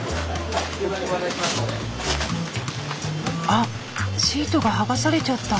あっシートが剥がされちゃった。